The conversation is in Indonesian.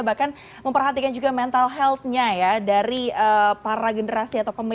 bahkan memperhatikan juga mental health nya ya dari para generasi atau pemimpin